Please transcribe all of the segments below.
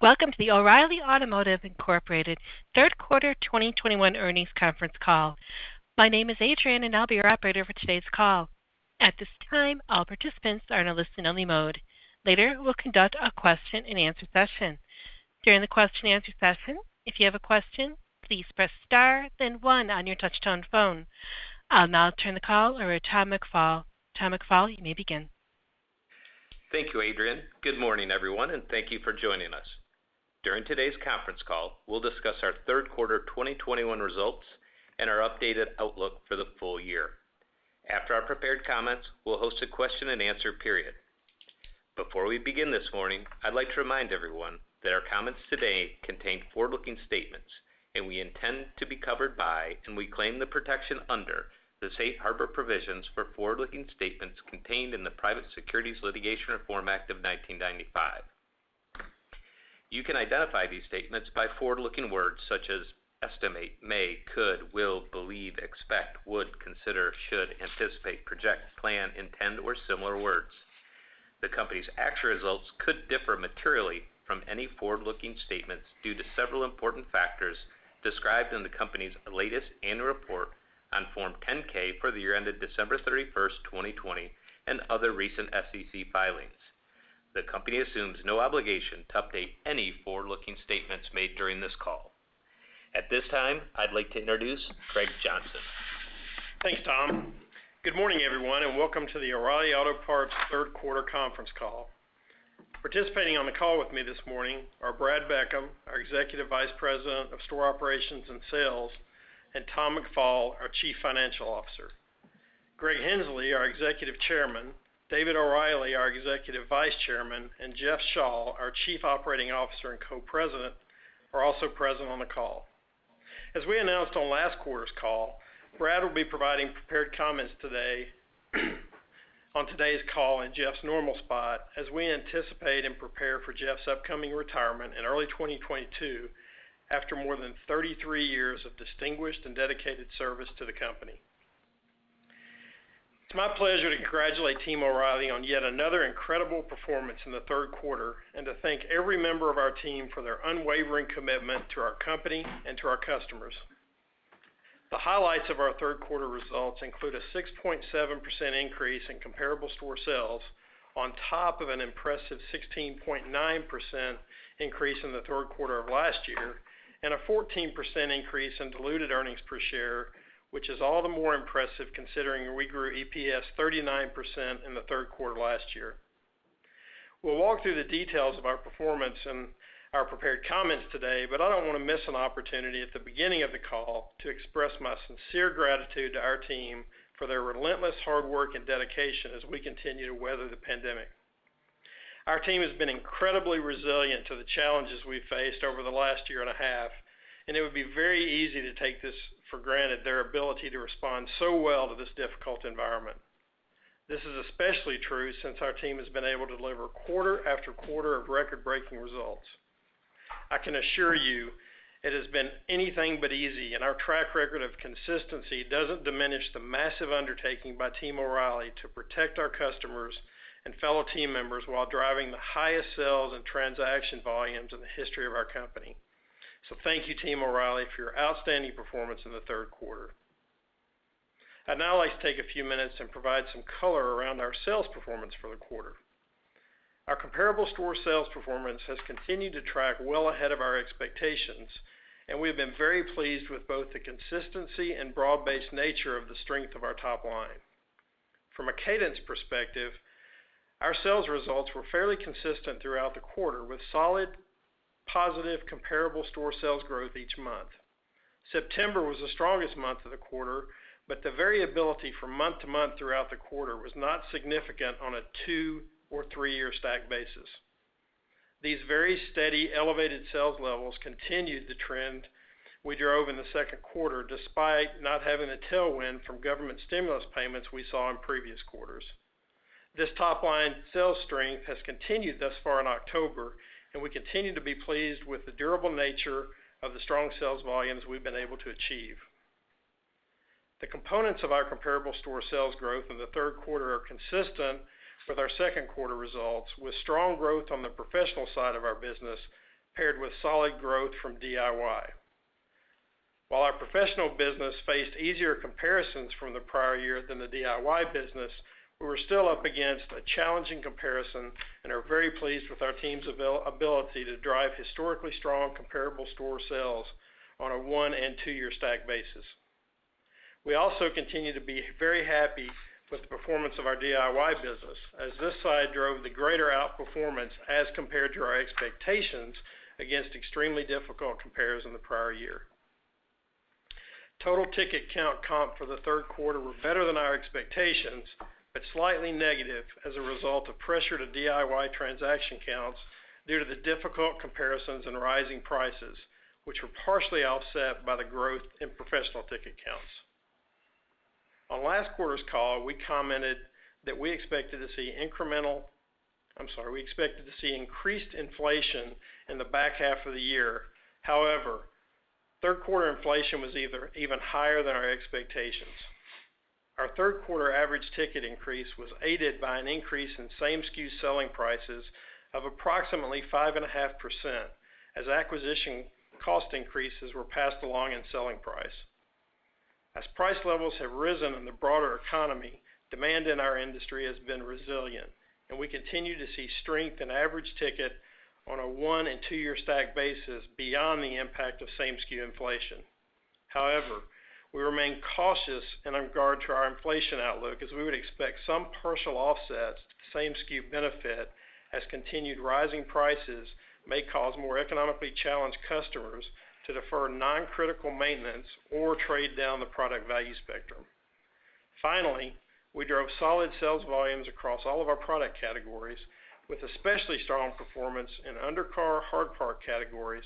Welcome to the O'Reilly Automotive, Inc. Q3 2021 Earnings Conference Call. My name is Adrian, and I'll be your operator for today's call. At this time, all participants are in a listen-only mode. Later, we'll conduct a question-and-answer session. During the question-and-answer session, if you have a question, please press star then one on your touchtone phone. I'll now turn the call over to Tom McFall. Tom McFall, you may begin. Thank you, Adrian. Good morning, everyone, and thank you for joining us. During today's Conference Call, we'll discuss our Q3 2021 results and our updated outlook for the full-year. After our prepard comments, we'll host a question-and-answer period. Before we begin this morning, I'd like to remind everyone that our comments today contain forward-looking statements, and we intend to be covered by, and we claim the protection under, the Safe Harbor provisions for forward-looking statements contained in the Private Securities Litigation Reform Act of 1995. You can identify these statements by forward-looking words such as estimate, may, could, will, believe, expect, would, consider, should, anticipate, project, plan, intend, or similar words. The Company's actual results could differ materially from any forward-looking statements due to several important factors described in the Company's latest annual report on Form 10-K for the year ended December 31, 2020, and other recent SEC filings. The Company assumes no obligation to update any forward-looking statements made during this call. At this time, I'd like to introduce Greg Henslee. Thanks, Tom. Good morning, everyone, and welcome to the O'Reilly Auto Parts Q3 conference call. Participating on the call with me this morning are Brad Beckham, our Executive Vice President of Store Operations and Sales, and Tom McFall, our Chief Financial Officer. Greg Henslee, our Executive Chairman, David O'Reilly, our Executive Vice Chairman, and Jeff Shaw, our Chief Operating Officer and Co-President, are also present on the call. As we announced on last quarter's call, Brad will be providing prepared comments today on today's call in Jeff's normal spot as we anticipate and prepare for Jeff's upcoming retirement in early 2022 after more than 33 years of distinguished and dedicated service to the company. It's my pleasure to congratulate Team O'Reilly on yet another incredible performance in the third quarter and to thank every member of our team for their unwavering commitment to our company and to our customers. The highlights of our Q3 results include a 6.7% increase in comparable store sales on top of an impressive 16.9% increase in the Q3 of last year and a 14% increase in diluted earnings per share, which is all the more impressive considering we grew EPS 39% in the Q3 last year. We'll walk through the details of our performance in our prepared comments today, but I don't wanna miss an opportunity at the beginning of the call to express my sincere gratitude to our team for their relentless hard work and dedication as we continue to weather the pandemic. Our team has been incredibly resilient to the challenges we faced over the last year and a half, and it would be very easy to take this for granted, their ability to respond so well to this difficult environment. This is especially true since our team has been able to deliver quarter after quarter of record-breaking results. I can assure you it has been anything but easy, and our track record of consistency doesn't diminish the massive undertaking by Team O'Reilly to protect our customers and fellow team members while driving the highest sales and transaction volumes in the history of our company. Thank you, Team O'Reilly, for your outstanding performance in the Q3. I'd now like to take a few minutes and provide some color around our sales performance for the quarter. Our comparable store sales performance has continued to track well ahead of our expectations, and we have been very pleased with both the consistency and broad-based nature of the strength of our top line. From a cadence perspective, our sales results were fairly consistent throughout the quarter with solid, positive comparable store sales growth each month. September was the strongest month of the quarter, but the variability from month to month throughout the quarter was not significant on a two or three-year stack basis. These very steady elevated sales levels continued the trend we drove in the second quarter despite not having the tailwind from government stimulus payments we saw in previous quarters. This top-line sales strength has continued thus far in October, and we continue to be pleased with the durable nature of the strong sales volumes we've been able to achieve. The components of our comparable store sales growth in the Q3 are consistent with our second quarter results, with strong growth on the professional side of our business paired with solid growth from DIY. While our professional business faced easier comparisons from the prior year than the DIY business, we were still up against a challenging comparison and are very pleased with our team's availability to drive historically strong comparable store sales on a one- and two-year stack basis. We also continue to be very happy with the performance of our DIY business, as this side drove the greater outperformance as compared to our expectations against extremely difficult compares in the prior year. Total ticket count comp for the third quarter were better than our expectations but slightly negative as a result of pressure to DIY transaction counts due to the difficult comparisons and rising prices, which were partially offset by the growth in professional ticket counts. On last quarter's call, we commented that we expected to see increased inflation in the back half of the year. However, third-quarter inflation was even higher than our expectations. Our Q3 average ticket increase was aided by an increase in same-SKU selling prices of approximately 5.5% as acquisition cost increases were passed along in selling price. As price levels have risen in the broader economy, demand in our industry has been resilient, and we continue to see strength in average ticket on a one- and two-year stack basis beyond the impact of same-SKU inflation. However, we remain cautious in regard to our inflation outlook as we would expect some partial offsets to same-SKU benefit as continued rising prices may cause more economically challenged customers to defer non-critical maintenance or trade down the product value spectrum. Finally, we drove solid sales volumes across all of our product categories with especially strong performance in undercar hard part categories,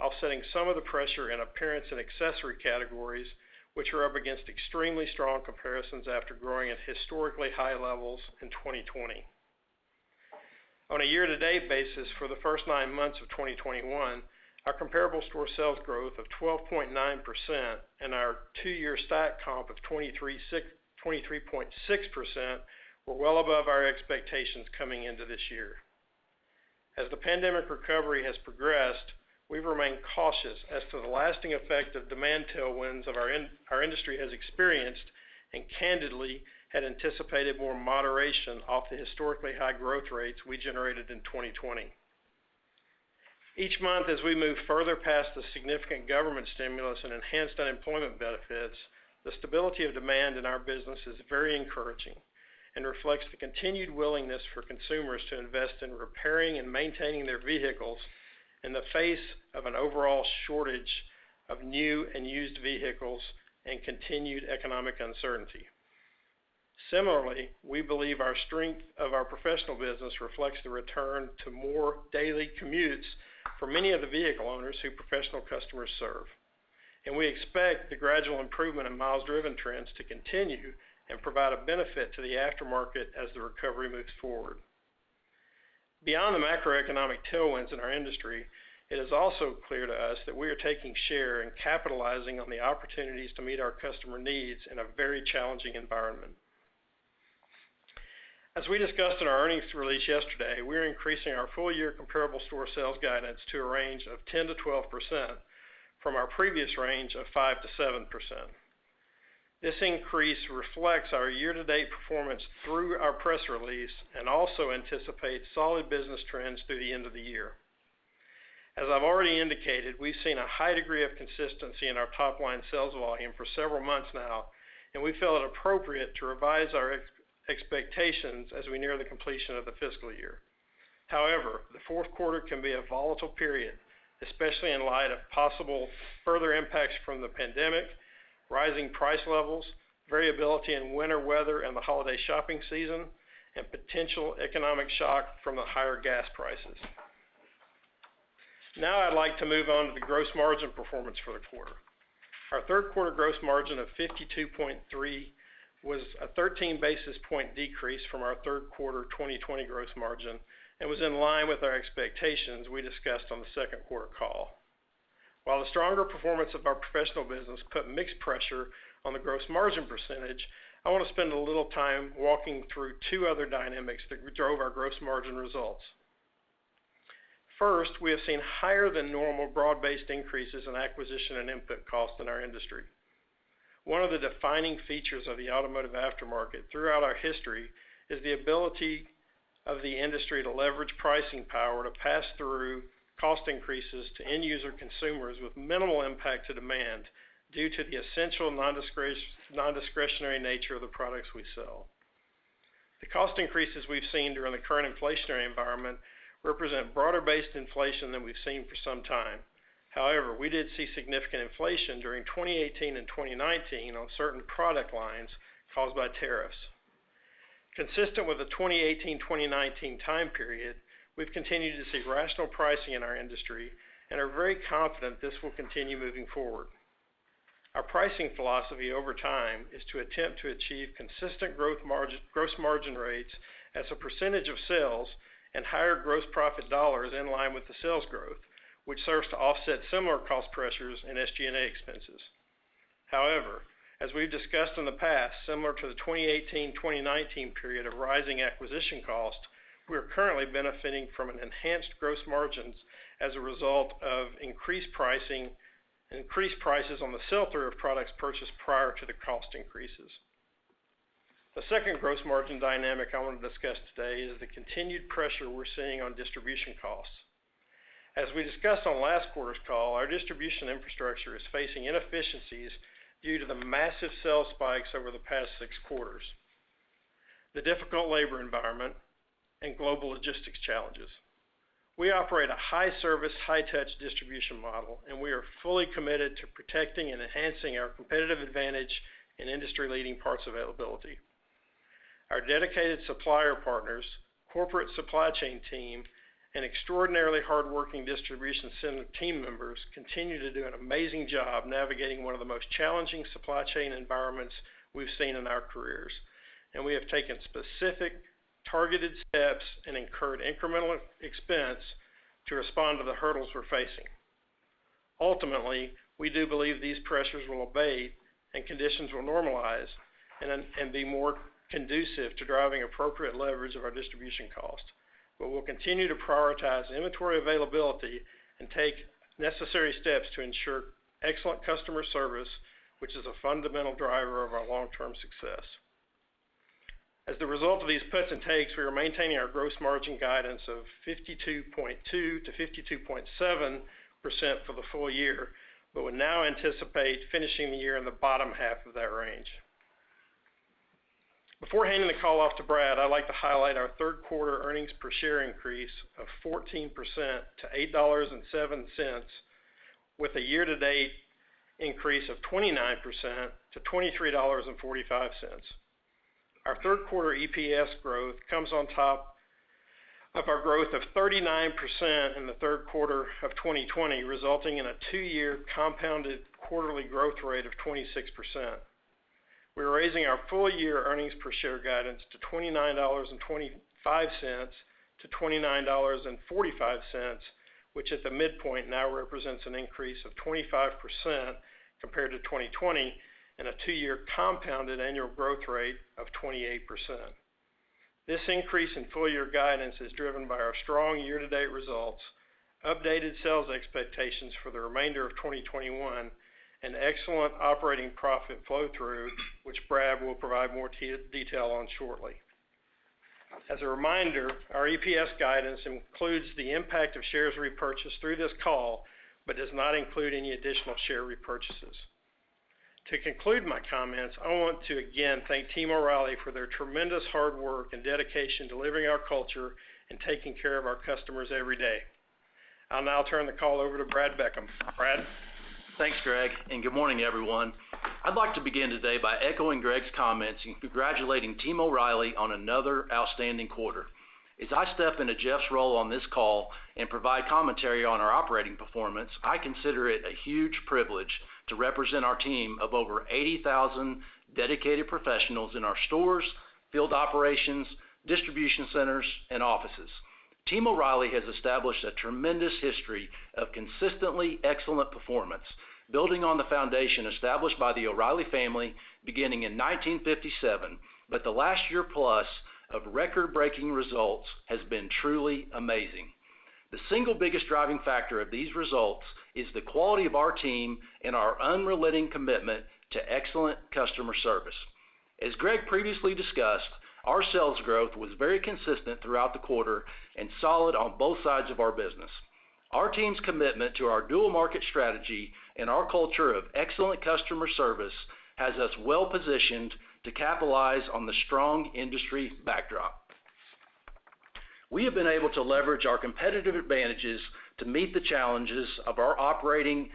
offsetting some of the pressure in appearance and accessory categories, which are up against extremely strong comparisons after growing at historically high levels in 2020. On a year-to-date basis for the first nine months of 2021, our comparable store sales growth of 12.9% and our two-year stack comp of 23.6% were well above our expectations coming into this year. As the pandemic recovery has progressed, we've remained cautious as to the lasting effect of demand tailwinds of our industry has experienced, and candidly had anticipated more moderation off the historically high growth rates we generated in 2020. Each month, as we move further past the significant government stimulus and enhanced unemployment benefits, the stability of demand in our business is very encouraging and reflects the continued willingness for consumers to invest in repairing and maintaining their vehicles in the face of an overall shortage of new and used vehicles and continued economic uncertainty. Similarly, we believe the strength of our professional business reflects the return to more daily commutes for many of the vehicle owners who our professional customers serve. We expect the gradual improvement in miles-driven trends to continue and provide a benefit to the aftermarket as the recovery moves forward. Beyond the macroeconomic tailwinds in our industry, it is also clear to us that we are taking share and capitalizing on the opportunities to meet our customer needs in a very challenging environment. As we discussed in our earnings release yesterday, we're increasing our full year comparable store sales guidance to a range of 10%-12% from our previous range of 5%-7%. This increase reflects our year-to-date performance through our press release and also anticipates solid business trends through the end of the year. As I've already indicated, we've seen a high degree of consistency in our top-line sales volume for several months now, and we felt it appropriate to revise our expectations as we near the completion of the fiscal year. However, the Q4 can be a volatile period, especially in light of possible further impacts from the pandemic, rising price levels, variability in winter weather and the holiday shopping season, and potential economic shock from the higher gas prices. Now I'd like to move on to the gross margin performance for the quarter. Our third quarter gross margin of 52.3% was a 13 basis point decrease from our Q3 2020 gross margin and was in line with our expectations we discussed on the second quarter call. While the stronger performance of our professional business put mixed pressure on the gross margin percentage, I wanna spend a little time walking through two other dynamics that drove our gross margin results. First, we have seen higher than normal broad-based increases in acquisition and input costs in our industry. One of the defining features of the automotive aftermarket throughout our history is the ability of the industry to leverage pricing power to pass through cost increases to end user consumers with minimal impact to demand due to the essential nondiscretionary nature of the products we sell. The cost increases we've seen during the current inflationary environment represent broader-based inflation than we've seen for some time. However, we did see significant inflation during 2018 and 2019 on certain product lines caused by tariffs. Consistent with the 2018, 2019 time period, we've continued to see rational pricing in our industry and are very confident this will continue moving forward. Our pricing philosophy over time is to attempt to achieve consistent gross margin rates as a percentage of sales and higher gross profit dollars in line with the sales growth, which serves to offset similar cost pressures in SG&A expenses. However, as we've discussed in the past, similar to the 2018, 2019 period of rising acquisition costs, we are currently benefiting from an enhanced gross margins as a result of increased pricing, increased prices on the sell-through of products purchased prior to the cost increases. The second gross margin dynamic I wanna discuss today is the continued pressure we're seeing on distribution costs. As we discussed on last quarter's call, our distribution infrastructure is facing inefficiencies due to the massive sales spikes over the past six quarters, the difficult labor environment, and global logistics challenges. We operate a high service, high touch distribution model, and we are fully committed to protecting and enhancing our competitive advantage in industry-leading parts availability. Our dedicated supplier partners, corporate supply chain team, and extraordinarily hardworking distribution center team members continue to do an amazing job navigating one of the most challenging supply chain environments we've seen in our careers. We have taken specific targeted steps and incurred incremental expense to respond to the hurdles we're facing. Ultimately, we do believe these pressures will abate and conditions will normalize and be more conducive to driving appropriate leverage of our distribution cost. We'll continue to prioritize inventory availability and take necessary steps to ensure excellent customer service, which is a fundamental driver of our long-term success. As the result of these puts and takes, we are maintaining our gross margin guidance of 52.2%-52.7% for the full year. We now anticipate finishing the year in the bottom half of that range. Before handing the call off to Brad, I'd like to highlight our third quarter earnings per share increase of 14% to $8.07 with a year-to-date increase of 29% to $23.45. Our Q3 EPS growth comes on top of our growth of 39% in the third quarter of 2020, resulting in a two-year compounded quarterly growth rate of 26%. We're raising our full-year earnings per share guidance to $29.25-$29.45, which at the midpoint now represents an increase of 25% compared to 2020 and a two-year compounded annual growth rate of 28%. This increase in full-year guidance is driven by our strong year-to-date results, updated sales expectations for the remainder of 2021, and excellent operating profit flow through which Brad will provide more detail on shortly. As a reminder, our EPS guidance includes the impact of shares repurchased through this call, but does not include any additional share repurchases. To conclude my comments, I want to again thank Team O'Reilly for their tremendous hard work and dedication to living our culture and taking care of our customers every day. I'll now turn the call over to Brad Beckham. Brad? Thanks, Greg, and good morning, everyone. I'd like to begin today by echoing Greg's comments and congratulating Team O'Reilly on another outstanding quarter. As I step into Jeff's role on this call and provide commentary on our operating performance, I consider it a huge privilege to represent our team of over 80,000 dedicated professionals in our stores, field operations, distribution centers, and offices. Team O'Reilly has established a tremendous history of consistently excellent performance, building on the foundation established by the O'Reilly family beginning in 1957. The last year-plus of record-breaking results has been truly amazing. The single biggest driving factor of these results is the quality of our team and our unrelenting commitment to excellent customer service. As Greg previously discussed, our sales growth was very consistent throughout the quarter and solid on both sides of our business. Our team's commitment to our dual market strategy and our culture of excellent customer service has us well-positioned to capitalize on the strong industry backdrop. We have been able to leverage our competitive advantages to meet the challenges of operating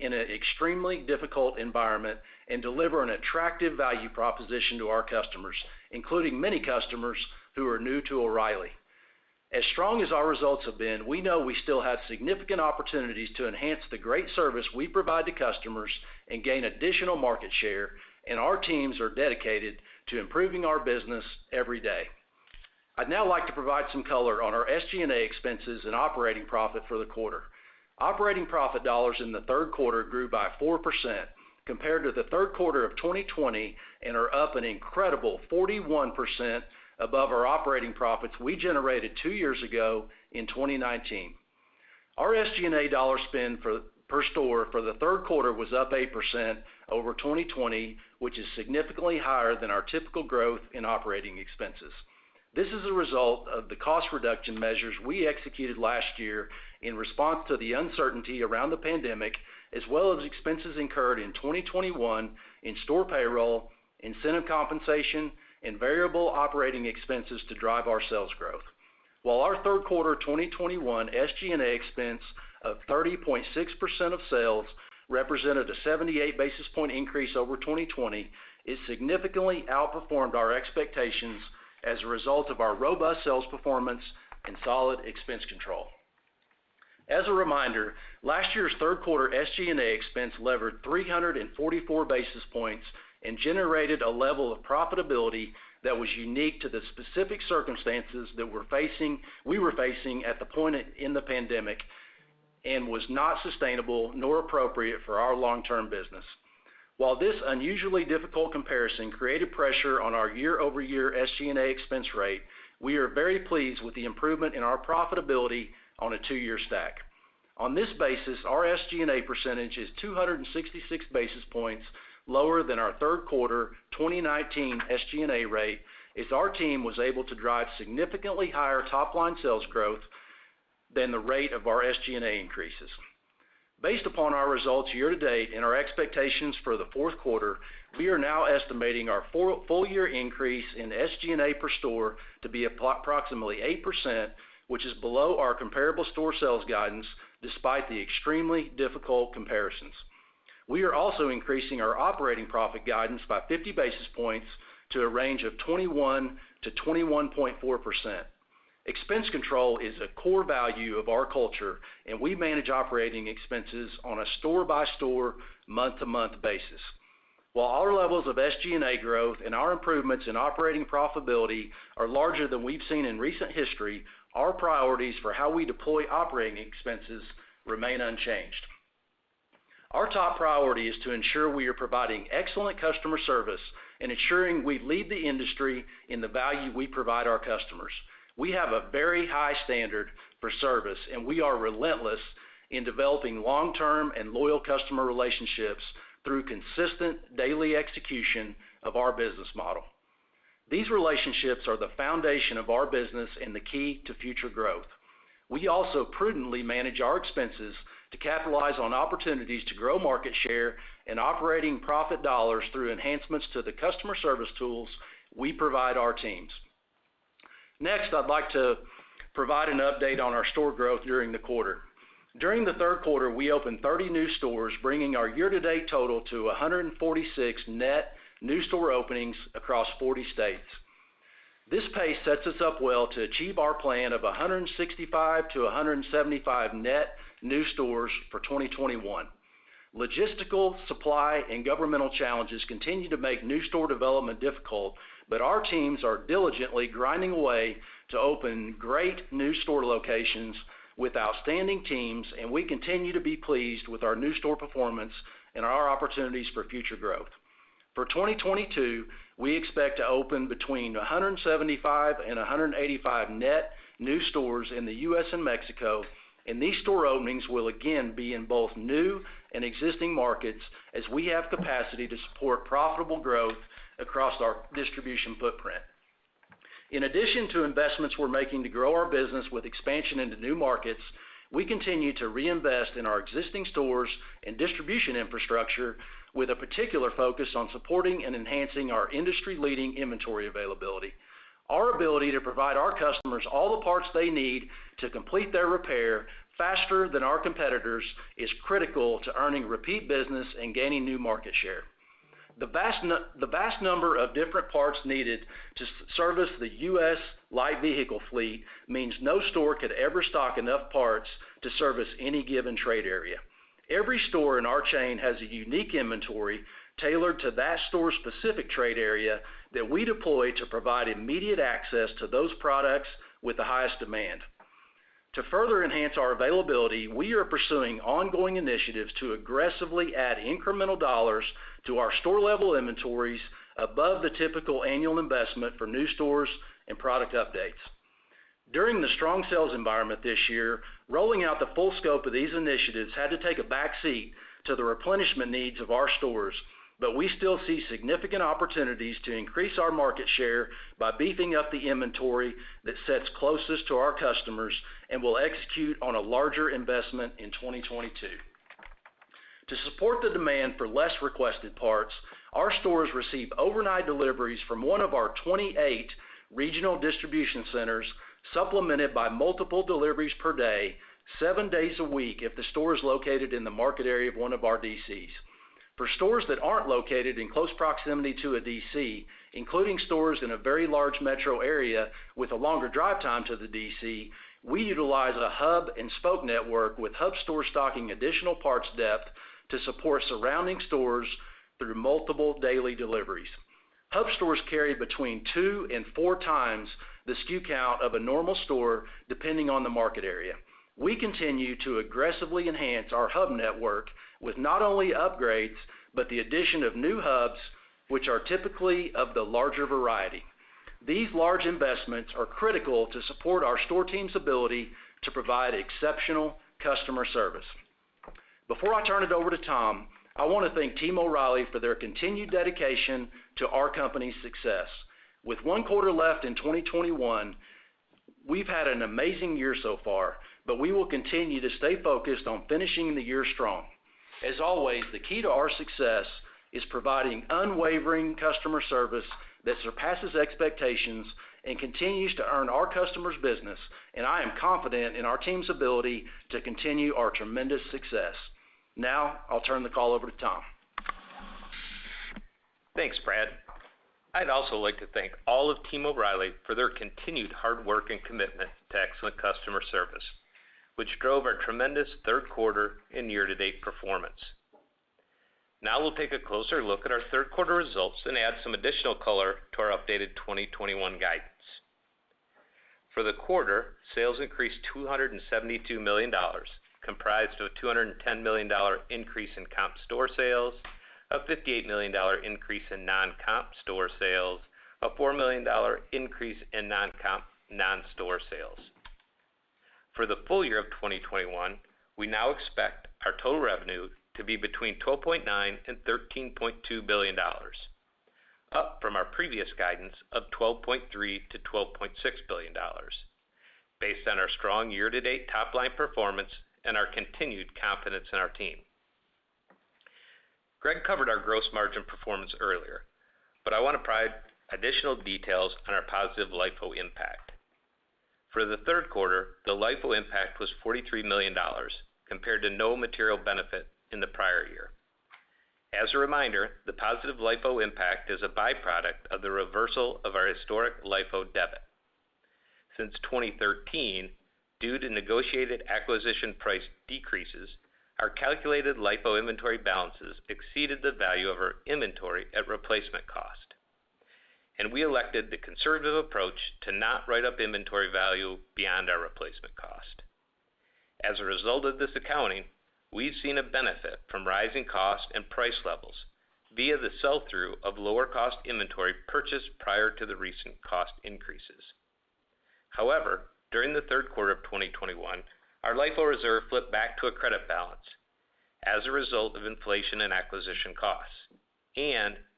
in an extremely difficult environment and deliver an attractive value proposition to our customers, including many customers who are new to O'Reilly. As strong as our results have been, we know we still have significant opportunities to enhance the great service we provide to customers and gain additional market share, and our teams are dedicated to improving our business every day. I'd now like to provide some color on our SG&A expenses and operating profit for the quarter. Operating profit dollars in the Q3 grew by 4% compared to the Q3 2020 and are up an incredible 41% above our operating profits we generated two years ago in 2019. Our SG&A dollar spend per store for the Q3 was up 8% over 2020, which is significantly higher than our typical growth in operating expenses. This is a result of the cost reduction measures we executed last year in response to the uncertainty around the pandemic, as well as expenses incurred in 2021 in-store payroll, incentive compensation, and variable operating expenses to drive our sales growth. While our Q3 2021 SG&A expense of 30.6% of sales represented a 78 basis point increase over 2020, it significantly outperformed our expectations as a result of our robust sales performance and solid expense control. As a reminder, last year's third quarter SG&A expense levered 344 basis points and generated a level of profitability that was unique to the specific circumstances that we were facing at the point in the pandemic and was not sustainable nor appropriate for our long-term business. While this unusually difficult comparison created pressure on our year-over-year SG&A expense rate, we are very pleased with the improvement in our profitability on a two-year stack. On this basis, our SG&A percentage is 266 basis points lower than our third quarter 2019 SG&A rate as our team was able to drive significantly higher top-line sales growth than the rate of our SG&A increases. Based upon our results year to date and our expectations for the fourth quarter, we are now estimating our full year increase in SG&A per store to be approximately 8%, which is below our comparable store sales guidance despite the extremely difficult comparisons. We are also increasing our operating profit guidance by 50 basis points to a range of 21%-21.4%. Expense control is a core value of our culture, and we manage operating expenses on a store-by-store, month-to-month basis. While our levels of SG&A growth and our improvements in operating profitability are larger than we've seen in recent history, our priorities for how we deploy operating expenses remain unchanged. Our top priority is to ensure we are providing excellent customer service and ensuring we lead the industry in the value we provide our customers. We have a very high standard for service, and we are relentless in developing long-term and loyal customer relationships through consistent daily execution of our business model. These relationships are the foundation of our business and the key to future growth. We also prudently manage our expenses to capitalize on opportunities to grow market share and operating profit dollars through enhancements to the customer service tools we provide our teams. Next, I'd like to provide an update on our store growth during the quarter. During the Q3, we opened 30 new stores, bringing our year-to-date total to 146 net new store openings across 40 states. This pace sets us up well to achieve our plan of 165-175 net new stores for 2021. Logistical, supply, and governmental challenges continue to make new store development difficult, but our teams are diligently grinding away to open great new store locations with outstanding teams, and we continue to be pleased with our new store performance and our opportunities for future growth. For 2022, we expect to open between 175 and 185 net new stores in the U.S. and Mexico, and these store openings will again be in both new and existing markets as we have capacity to support profitable growth across our distribution footprint. In addition to investments we're making to grow our business with expansion into new markets, we continue to reinvest in our existing stores and distribution infrastructure with a particular focus on supporting and enhancing our industry-leading inventory availability. Our ability to provide our customers all the parts they need to complete their repair faster than our competitors is critical to earning repeat business and gaining new market share. The vast number of different parts needed to service the U.S. light vehicle fleet means no store could ever stock enough parts to service any given trade area. Every store in our chain has a unique inventory tailored to that store's specific trade area that we deploy to provide immediate access to those products with the highest demand. To further enhance our availability, we are pursuing ongoing initiatives to aggressively add incremental dollars to our store-level inventories above the typical annual investment for new stores and product updates. During the strong sales environment this year, rolling out the full scope of these initiatives had to take a back seat to the replenishment needs of our stores, but we still see significant opportunities to increase our market share by beefing up the inventory that sits closest to our customers and will execute on a larger investment in 2022. To support the demand for less requested parts, our stores receive overnight deliveries from one of our 28 regional distribution centers, supplemented by multiple deliveries per day, seven days a week if the store is located in the market area of one of our DCs. For stores that aren't located in close proximity to a DC, including stores in a very large metro area with a longer drive time to the DC, we utilize a hub-and-spoke network with hub stores stocking additional parts depth to support surrounding stores through multiple daily deliveries. Hub stores carry between two and four times the SKU count of a normal store, depending on the market area. We continue to aggressively enhance our hub network with not only upgrades but the addition of new hubs, which are typically of the larger variety. These large investments are critical to support our store team's ability to provide exceptional customer service. Before I turn it over to Tom, I wanna thank Team O'Reilly for their continued dedication to our company's success. With one quarter left in twenty twenty-one, we've had an amazing year so far, but we will continue to stay focused on finishing the year strong. As always, the key to our success is providing unwavering customer service that surpasses expectations and continues to earn our customers' business, and I am confident in our team's ability to continue our tremendous success. Now, I'll turn the call over to Tom. Thanks, Brad. I'd also like to thank all of Team O'Reilly for their continued hard work and commitment to excellent customer service, which drove our tremendous third quarter and year-to-date performance. Now we'll take a closer look at our third quarter results and add some additional color to our updated 2021 guidance. For the quarter, sales increased $272 million, comprised of a $210 million increase in comp store sales, a $58 million increase in non-comp store sales, a $4 million increase in non-comp non-store sales. For the full year of 2021, we now expect our total revenue to be between $12.9 billion and $13.2 billion, up from our previous guidance of $12.3 billion to $12.6 billion based on our strong year-to-date top-line performance and our continued confidence in our team. Greg covered our gross margin performance earlier, but I wanna provide additional details on our positive LIFO impact. For the third quarter, the LIFO impact was $43 million compared to no material benefit in the prior year. As a reminder, the positive LIFO impact is a byproduct of the reversal of our historic LIFO debit. Since 2013, due to negotiated acquisition price decreases, our calculated LIFO inventory balances exceeded the value of our inventory at replacement cost, and we elected the conservative approach to not write up inventory value beyond our replacement cost. As a result of this accounting, we've seen a benefit from rising costs and price levels via the sell-through of lower cost inventory purchased prior to the recent cost increases. However, during the Q3 2021, our LIFO reserve flipped back to a credit balance as a result of inflation and acquisition costs.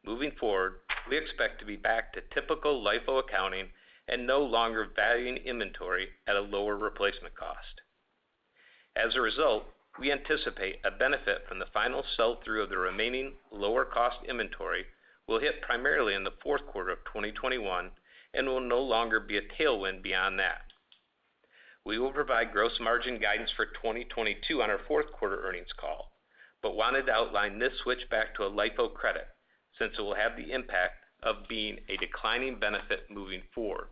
Moving forward, we expect to be back to typical LIFO accounting and no longer valuing inventory at a lower replacement cost. As a result, we anticipate a benefit from the final sell-through of the remaining lower cost inventory will hit primarily in the fourth quarter of 2021 and will no longer be a tailwind beyond that. We will provide gross margin guidance for 2022 on our Q4 earnings call, but wanted to outline this switch back to a LIFO credit since it will have the impact of being a declining benefit moving forward,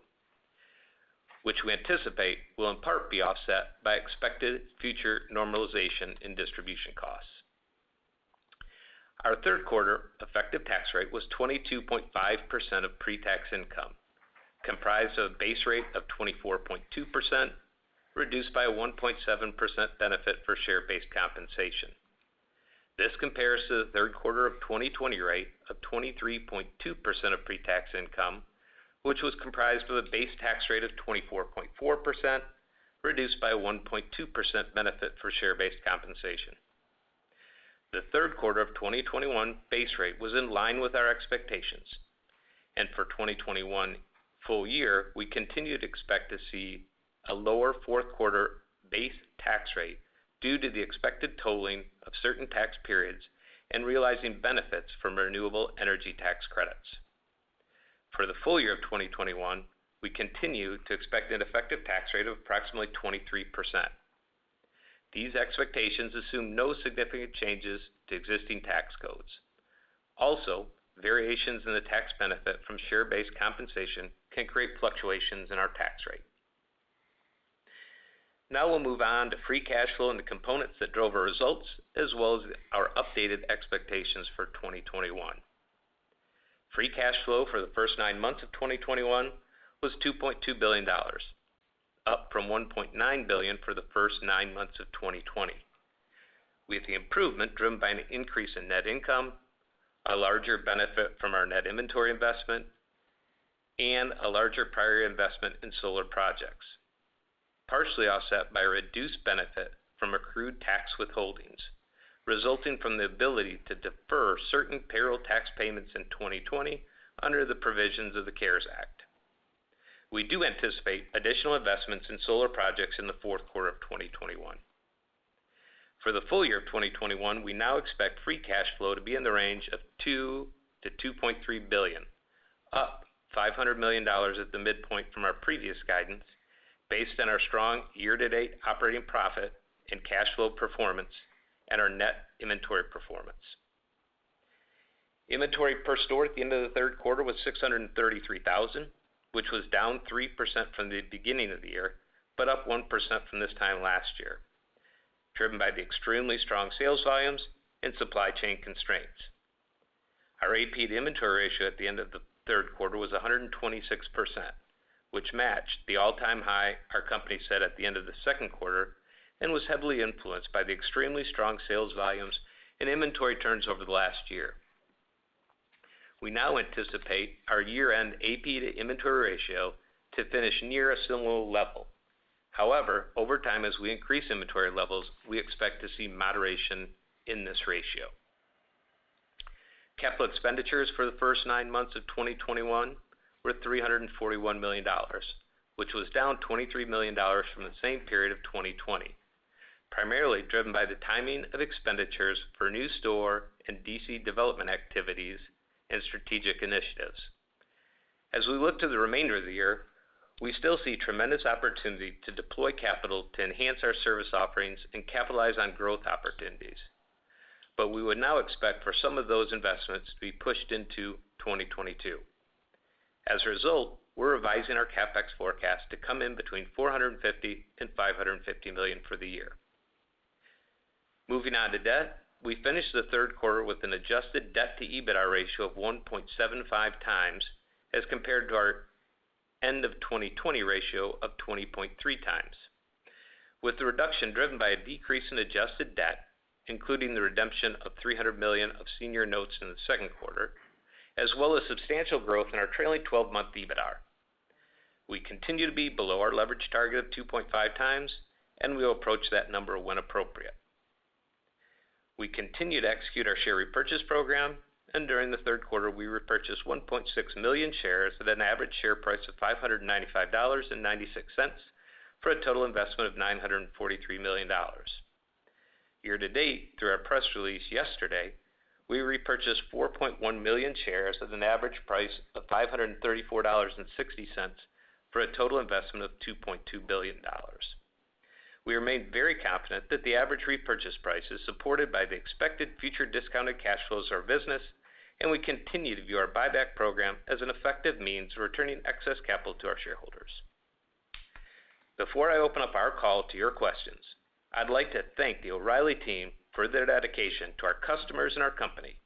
which we anticipate will in part be offset by expected future normalization in distribution costs. Our third quarter effective tax rate was 22.5% of pre-tax income, comprised of a base rate of 24.2%, reduced by a 1.7% benefit for share-based compensation. This compares to the Q3 of 2020 rate of 23.2% of pre-tax income, which was comprised of a base tax rate of 24.4%, reduced by a 1.2% benefit for share-based compensation. The Q3 2021 base rate was in line with our expectations, and for 2021 full-year, we continue to expect to see a lower fourth quarter base tax rate due to the expected tolling of certain tax periods and realizing benefits from renewable energy tax credits. For the full year of 2021, we continue to expect an effective tax rate of approximately 23%. These expectations assume no significant changes to existing tax codes. Also, variations in the tax benefit from share-based compensation can create fluctuations in our tax rate. Now we'll move on to free cash flow and the components that drove our results, as well as our updated expectations for 2021. Free cash flow for the first nine months of 2021 was $2.2 billion, up from $1.9 billion for the first nine months of 2020, with the improvement driven by an increase in net income, a larger benefit from our net inventory investment, and a larger prior investment in solar projects, partially offset by a reduced benefit from accrued tax withholdings, resulting from the ability to defer certain payroll tax payments in 2020 under the provisions of the CARES Act. We do anticipate additional investments in solar projects in the Q4 2021. For the full-year of 2021, we now expect free cash flow to be in the range of $2 billion-$2.3 billion, up $500 million at the midpoint from our previous guidance, based on our strong year-to-date operating profit and cash flow performance and our net inventory performance. Inventory per store at the end of the third quarter was $633,000, which was down 3% from the beginning of the year, but up 1% from this time last year, driven by the extremely strong sales volumes and supply chain constraints. Our AP to inventory ratio at the end of the third quarter was 126%, which matched the all-time high our company set at the end of the second quarter and was heavily influenced by the extremely strong sales volumes and inventory turns over the last year. We now anticipate our year-end AP to inventory ratio to finish near a similar level. However, over time, as we increase inventory levels, we expect to see moderation in this ratio. Capital expenditures for the first nine months of 2021 were $341 million, which was down $23 million from the same period of 2020, primarily driven by the timing of expenditures for new store and DC development activities and strategic initiatives. As we look to the remainder of the year, we still see tremendous opportunity to deploy capital to enhance our service offerings and capitalize on growth opportunities, but we would now expect for some of those investments to be pushed into 2022. As a result, we're revising our CapEx forecast to come in between $450 million and $550 million for the year. Moving on to debt, we finished the third quarter with an adjusted debt-to-EBITDA ratio of 1.75 times as compared to our end of 2020 ratio of 20.3 times, with the reduction driven by a decrease in adjusted debt, including the redemption of $300 million of senior notes in the second quarter, as well as substantial growth in our trailing 12-month EBITDA. We continue to be below our leverage target of 2.5x, and we will approach that number when appropriate. We continue to execute our share repurchase program, and during the third quarter, we repurchased 1.6 million shares at an average share price of $595.96 for a total investment of $943 million. Year to date, through our press release yesterday, we repurchased 4.1 million shares at an average price of $534.60 for a total investment of $2.2 billion. We remain very confident that the average repurchase price is supported by the expected future discounted cash flows of our business, and we continue to view our buyback program as an effective means of returning excess capital to our shareholders. Before I open up our call to your questions, I'd like to thank the O'Reilly team for their dedication to our customers and our company.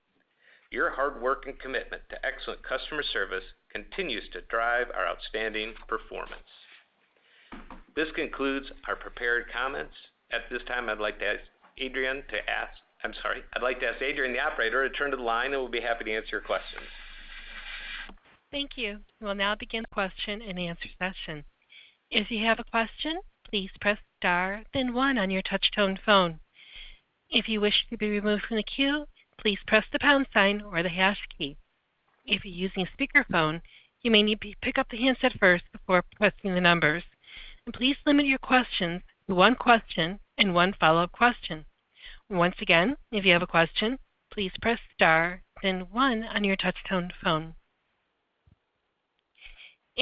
Your hard work and commitment to excellent customer service continues to drive our outstanding performance. This concludes our prepared comments. At this time, I'd like to ask Adrian, the operator, to turn to the line, and we'll be happy to answer your questions. Thank you. We'll now begin the question-and-answer session. If you have a question, please press star then one on your touch-tone phone. If you wish to be removed from the queue, please press the pound sign or the hash key. If you're using a speakerphone, you may need to pick up the handset first before pressing the numbers. Please limit your questions to one question and one follow-up question. Once again, if you have a question, please press star then one on your touch-tone phone.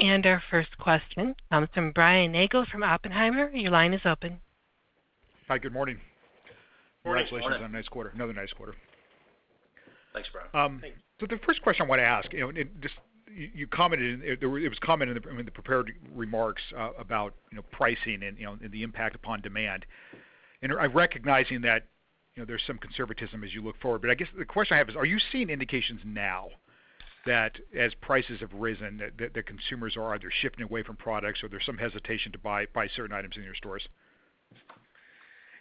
Our first question comes from Brian Nagel from Oppenheimer. Your line is open. Hi. Good morning. Morning. Morning. Congratulations on a nice quarter. Another nice quarter. Thanks, Brian. Thanks. The first question I want to ask, and just, you commented, it was commented in the prepared remarks, about, you know, pricing and, and the impact upon demand. I'm recognizing that, there's some conservatism as you look forward. I guess the question I have is, are you seeing indications now that as prices have risen, that consumers are either shifting away from products or there's some hesitation to buy certain items in your stores?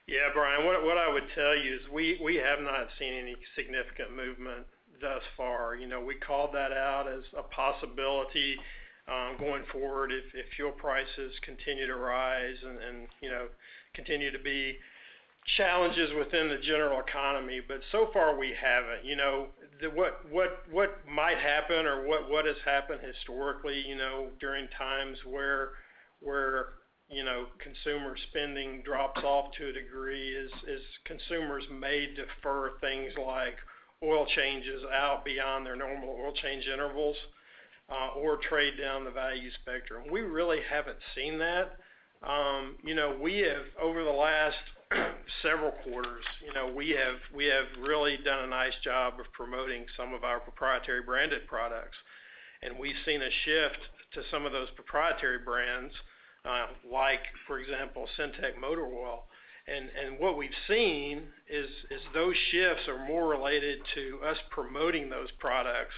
Yeah, Brian, what I would tell you is we have not seen any significant movement thus far. We called that out as a possibility, going forward if fuel prices continue to rise and you know, continue to be challenges within the general economy. So far, we haven't. what might happen or what has happened historically, you know, during times where consumer spending drops off to a degree is consumers may defer things like oil changes out beyond their normal oil change intervals, or trade down the value spectrum. We really haven't seen that. We have over the last several quarters, we have really done a nice job of promoting some of our proprietary branded products. We've seen a shift to some of those proprietary brands, like, for example, Syntec motor oil. What we've seen is those shifts are more related to us promoting those products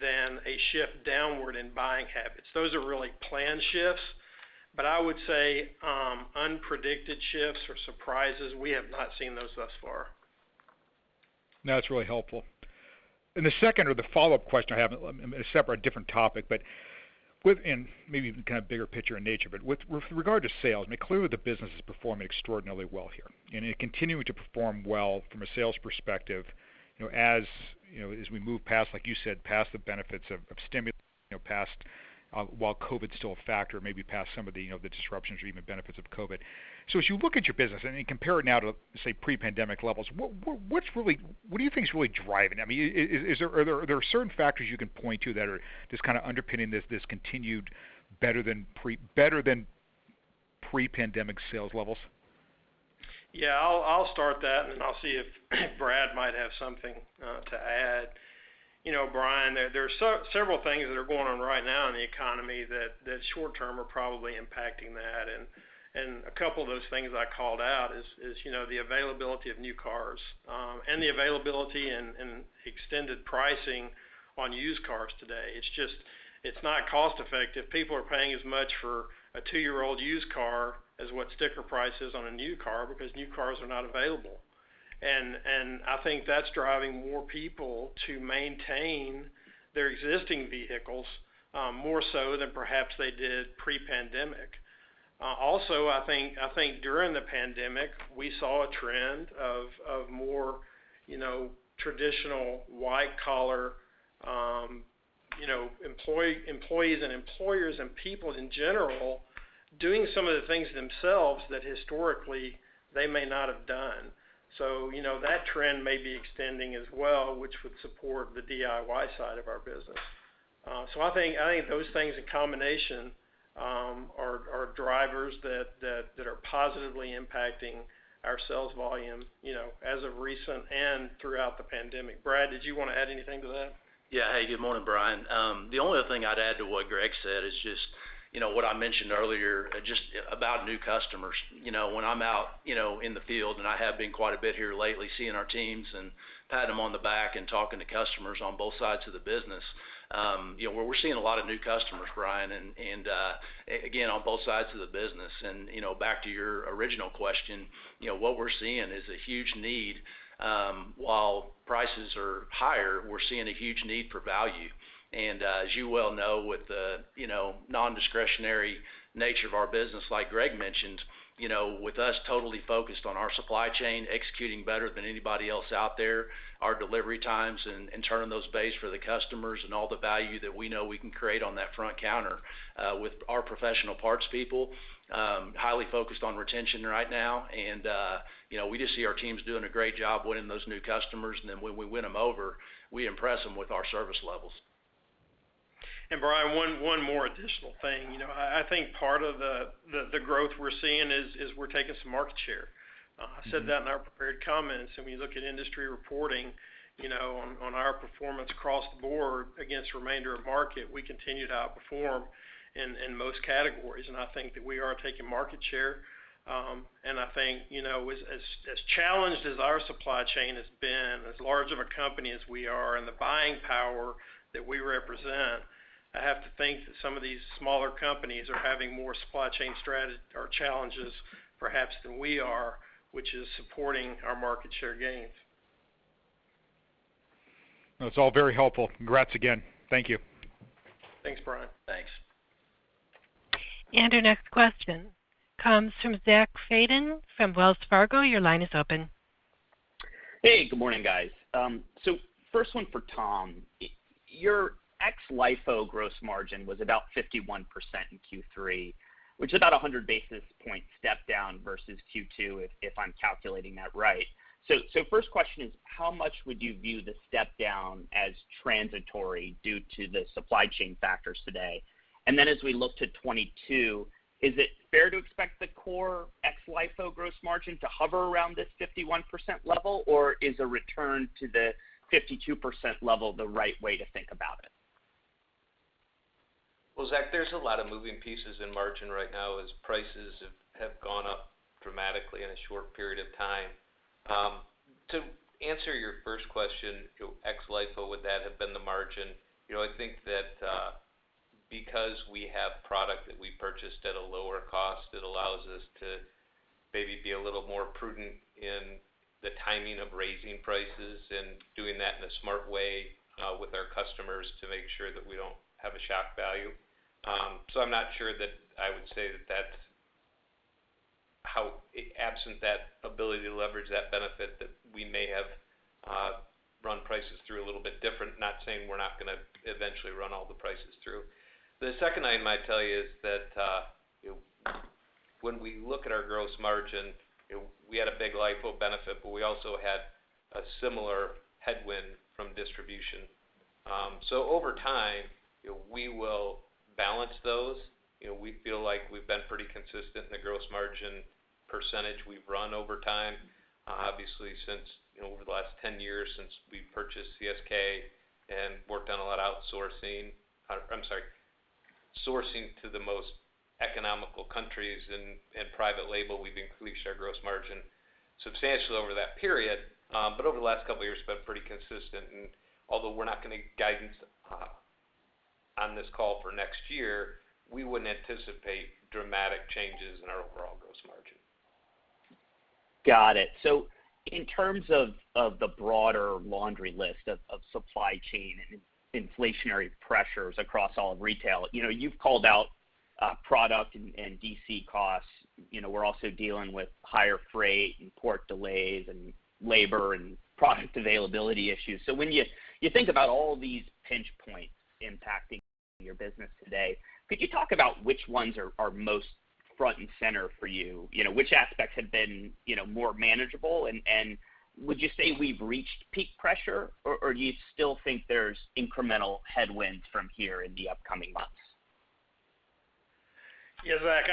than a shift downward in buying habits. Those are really planned shifts. I would say unpredicted shifts or surprises, we have not seen those thus far. That's really helpful. The second or the follow-up question I have, a separate different topic, but with and maybe even kind of bigger picture in nature. With regard to sales, I mean, clearly, the business is performing extraordinarily well here, and it continued to perform well from a sales perspective, you know, as we move past, like you said, past the benefits of stimulus, you know, past while COVID-19 is still a factor, maybe past some of the, the disruptions or even benefits of COVID-19. As you look at your business and compare it now to, say, pre-pandemic levels, what do you think is really driving? I mean, are there certain factors you can point to that are just kind of underpinning this continued better than pre-pandemic sales levels? Yeah, I'll start that, and then I'll see if Brad might have something to add. Brian, there are several things that are going on right now in the economy that short term are probably impacting that. A couple of those things I called out is, the availability of new cars, and the availability and extended pricing on used cars today. It's just not cost-effective. People are paying as much for a two-year-old used car as what sticker price is on a new car because new cars are not available. I think that's driving more people to maintain their existing vehicles more so than perhaps they did pre-pandemic. Also, I think during the pandemic, we saw a trend of more, you know, traditional white-collar, you know, employee, employees and employers and people in general doing some of the things themselves that historically they may not have done. You know, that trend may be extending as well, which would support the DIY side of our business. I think those things in combination are drivers that are positively impacting our sales volume, as of recent and throughout the pandemic. Brad, did you want to add anything to that? Yeah. Hey, good morning, Brian. The only other thing I'd add to what Greg said is just, what I mentioned earlier just about new customers. When I'm out, in the field, and I have been quite a bit here lately, seeing our teams and patting them on the back and talking to customers on both sides of the business, you know, we're seeing a lot of new customers, Brian, and on both sides of the business. Back to your original question, what we're seeing is a huge need, while prices are higher, we're seeing a huge need for value. As you well know, with the, nondiscretionary nature of our business, like Greg mentioned, with us totally focused on our supply chain, executing better than anybody else out there, our delivery times and turning those bays for the customers and all the value that we know we can create on that front counter, with our professional parts people, highly focused on retention right now. We just see our teams doing a great job winning those new customers. Then when we win them over, we impress them with our service levels. Brian, one more additional thing. You know, I think part of the growth we're seeing is we're taking some market share. I said that in our prepared comments, and when you look at industry reporting, on our performance across the board against remainder of market, we continue to outperform in most categories. I think that we are taking market share. I think, as challenged as our supply chain has been, as large of a company as we are and the buying power that we represent, I have to think that some of these smaller companies are having more supply chain challenges perhaps than we are, which is supporting our market share gains. That's all very helpful. Congrats again. Thank you. Thanks, Brian. Thanks. Our next question comes from Zachary Fadem from Wells Fargo. Your line is open. Hey, good morning, guys. First one for Tom. Your ex-LIFO gross margin was about 51% in Q3, which is about a hundred basis points step down versus Q2, if I'm calculating that right. First question is, how much would you view the step down as transitory due to the supply chain factors today? Then as we look to 2022, is it fair to expect the core ex-LIFO gross margin to hover around this 51% level or is a return to the 52% level the right way to think about it? Well, Zach, there's a lot of moving parts in margin right now as prices have gone up dramatically in a short period of time. To answer your first question, ex LIFO, would that have been the margin? You know, I think that because we have product that we purchased at a lower cost, it allows us to maybe be a little more prudent in the timing of raising prices and doing that in a smart way with our customers to make sure that we don't have a shock value. I'm not sure that I would say that that's how, absent that ability to leverage that benefit, that we may have run prices through a little bit different, not saying we're not gonna eventually run all the prices through. The second item I tell you is that, you know, when we look at our gross margin, we had a big LIFO benefit, but we also had a similar headwind from distribution. Over time, you know, we will balance those. You know, we feel like we've been pretty consistent in the gross margin percentage we've run over time. Obviously since, over the last 10 years since we purchased CSK and worked on a lot of sourcing to the most economical countries and private label, we've increased our gross margin substantially over that period, over the last couple of years, we've been pretty consistent. Although we're not gonna give guidance on this call for next year, we wouldn't anticipate dramatic changes in our overall gross margin. Got it. In terms of the broader laundry list of supply chain and inflationary pressures across all of retail, you know, you've called out product and DC costs. You know, we're also dealing with higher freight and port delays and labor and product availability issues. When you think about all these pinch points impacting your business today, could you talk about which ones are most front and center for you? Which aspects have been, more manageable and would you say we've reached peak pressure or do you still think there's incremental headwinds from here in the upcoming months? Yeah, Zach,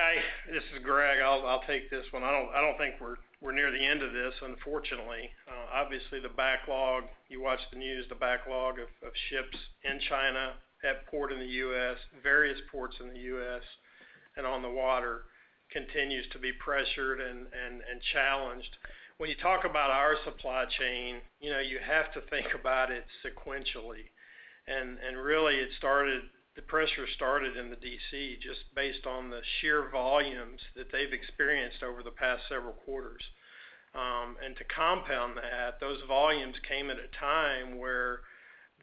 this is Greg. I'll take this one. I don't think we're near the end of this, unfortunately. Obviously, the backlog you watch the news of ships in China at port in the U.S., various ports in the U.S. and on the water continues to be pressured and challenged. When you talk about our supply chain, you know, you have to think about it sequentially. Really, the pressure started in the DC just based on the sheer volumes that they've experienced over the past several quarters. To compound that, those volumes came at a time where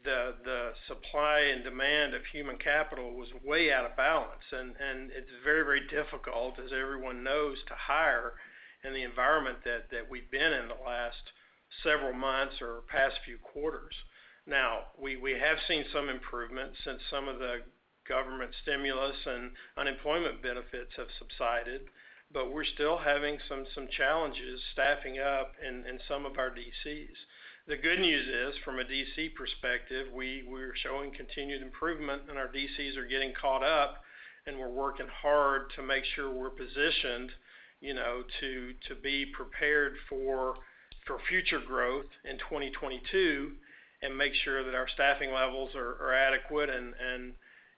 the supply and demand of human capital was way out of balance. It's very, very difficult, as everyone knows, to hire in the environment that we've been in the last several months or past few quarters. Now, we have seen some improvements since some of the government stimulus and unemployment benefits have subsided, but we're still having some challenges staffing up in some of our DCs. The good news is, from a DC perspective, we're showing continued improvement and our DCs are getting caught up, and we're working hard to make sure we're positioned, you know, to be prepared for future growth in 2022 and make sure that our staffing levels are adequate and,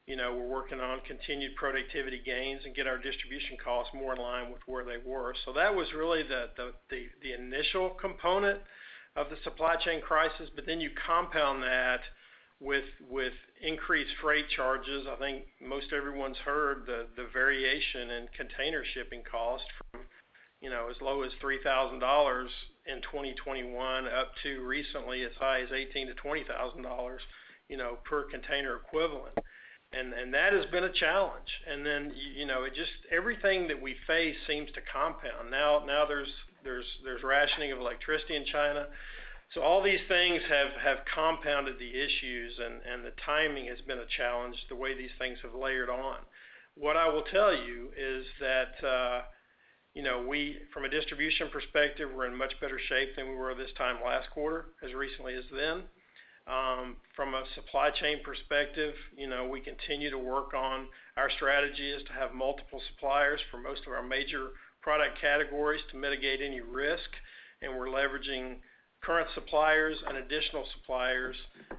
we're working on continued productivity gains and get our distribution costs more in line with where they were. That was really the initial component of the supply chain crisis. You compound that with increased freight charges. I think most everyone's heard the variation in container shipping costs from, you know, as low as $3,000 in 2021, up to recently as high as $18,000-$20,000, you know, per container equivalent. That has been a challenge. It just everything that we face seems to compound. Now there's rationing of electricity in China. So all these things have compounded the issues and the timing has been a challenge, the way these things have layered on. What I will tell you is that, we, from a distribution perspective, we're in much better shape than we were this time last quarter as recently as then. From a supply chain perspective, you know, we continue to work on our strategy is to have multiple suppliers for most of our major product categories to mitigate any risk, and we're leveraging current suppliers and additional suppliers